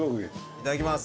いただきます。